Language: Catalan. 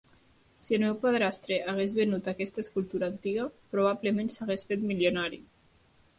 Si el meu padrastre hagués venut aquesta escultura antiga, probablement s'hagués fet milionari.